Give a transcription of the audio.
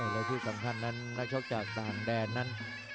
และที่สำคัญนั้นนักชกจากต่างแดนนั้น